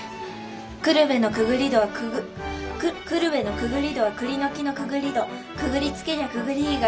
久留米のくぐり戸はくぐ久留米のくぐり戸は栗の木のくぐり戸くぐりつけりゃくぐりいいが。